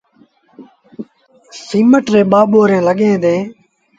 سيٚمٽ ريٚݩ ٻآ ٻوريٚݩ لڳيٚن ديٚݩ۔